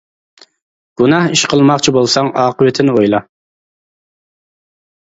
گۇناھ ئىش قىلماقچى بولساڭ ئاقىۋىتىنى ئويلا.